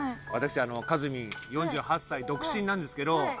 私かずみん４８歳独身なんですけど。